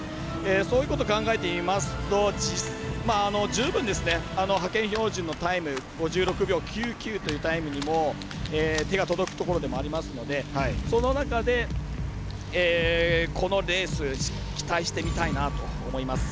そういうことを考えてみますと十分、派遣標準のタイム５６秒９９というタイムにも手が届くところでもありますのでその中でこのレース、期待して見たいなと思います。